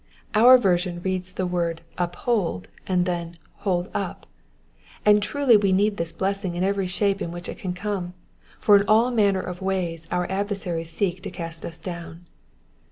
Our version reads the word uphold," and then hold up;'' and truly we need this blessing in every shape in which it can come, for in all manner of ways our adversaries seek to cast us down.